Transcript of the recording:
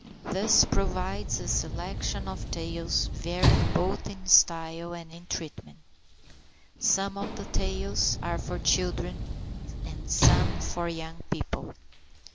This provides a selection of tales varied both in style and in treatment. Some of the tales are for children, and some for young people.